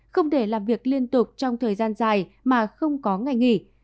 không để làm việc liên tục trong thời gian dài mà không có ngày nghỉ